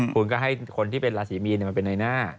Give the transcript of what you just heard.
คุณก็ให้คนที่เป็นราศีมีนมาเป็นในหน้า